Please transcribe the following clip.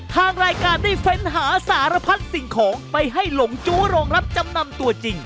ทางรายการได้เฟ้นหาสารพัดสิ่งของไปให้หลงจู้โรงรับจำนำตัวจริง